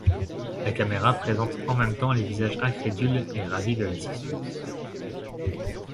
La caméra présente en même temps les visages incrédules et ravis de l'assistance.